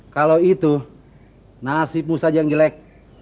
kalau itu nasibmu saja yang jelek